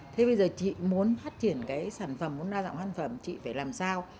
thế bây giờ chị muốn phát triển cái sản phẩm muốn ra dạng hoàn phẩm chị phải làm sao